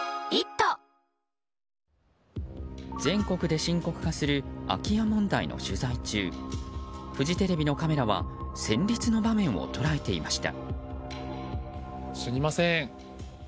全国で深刻化する空き家問題の取材中フジテレビのカメラは戦慄の場面を捉えていました。